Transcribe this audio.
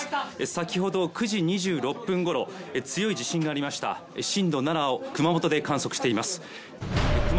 先ほど９時２６分頃強い地震がありました震度７を熊本で観測しています